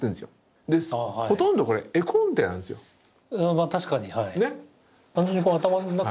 まあ確かにはい。ね。